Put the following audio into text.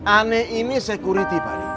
aneh ini security pak